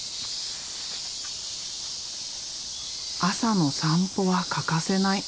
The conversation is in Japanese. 朝の散歩は欠かせない。